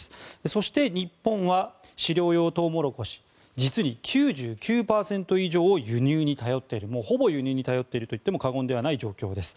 そして、日本は飼料用トウモロコシ実に９９％以上を輸入に頼っているほぼ輸入に頼っているといっても過言ではない状況です。